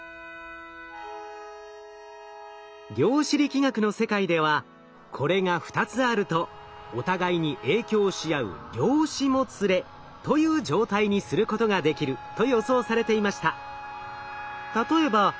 量子力学の世界ではこれが２つあるとお互いに影響し合う量子もつれという状態にすることができると予想されていました。